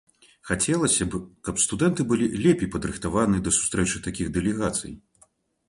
Хацелася б, каб студэнты былі лепей падрыхтаваныя да сустрэчы такіх дэлегацый.